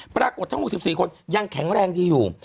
ปรากฏทั้งหมด๑๔คนยังแข็งแรงดีอยู่